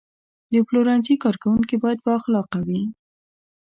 د پلورنځي کارکوونکي باید بااخلاقه وي.